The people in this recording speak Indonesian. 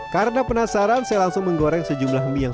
karena penasaran saya langsung menggoreng sejumlah mie yang sedang dikupas